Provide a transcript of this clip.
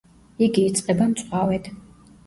იგი იწყება მწვავედ.